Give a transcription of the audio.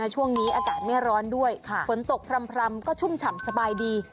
ช่วงนี้อากาศไม่ร้อนด้วยฝนตกพร่ำก็ชุ่มฉ่ำสบายดี